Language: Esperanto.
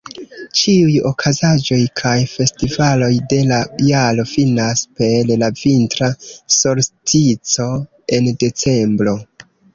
Ĉiuj okazaĵoj kaj festivaloj de la jaro finas per la Vintra solstico en Decembro.